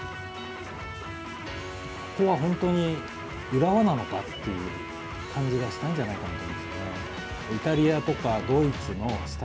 ここは本当に浦和なのかという感じがしたんじゃないかと。